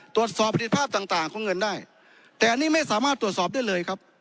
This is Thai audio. ตรวจสอบประสิทธิภาพต่างต่างของเงินได้แต่อันนี้ไม่สามารถตรวจสอบได้เลยครับ